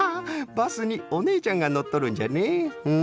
バスにおねえちゃんがのっとるんじゃね。